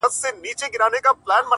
• گوره خندا مه كوه مړ به مي كړې؛